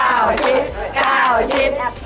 อะไรมั้ยครับ